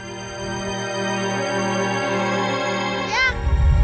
เปียก